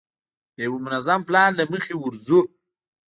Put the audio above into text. د یوه منظم پلان له مخې ورځو.